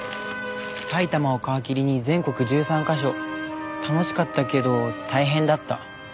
埼玉を皮切りに全国１３カ所楽しかったけど大変だった。